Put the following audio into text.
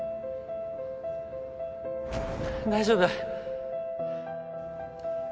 大丈夫？